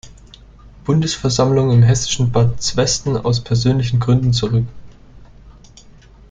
Bundesversammlung im hessischen Bad Zwesten aus persönlichen Gründen zurück.